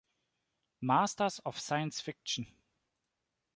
Masters of Science Fiction